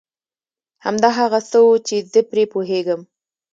همدا هغه څه و چي زه پرې پوهېږم.